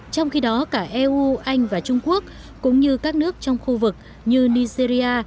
trong khi đó cả eu anh và trung quốc cũng như các nước trong khu vực như nigeria